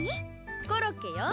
コロッケよ